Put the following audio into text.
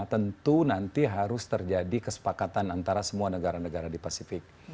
tentu nanti harus terjadi kesepakatan antara semua negara negara di pasifik